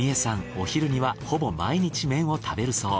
お昼にはほぼ毎日麺を食べるそう。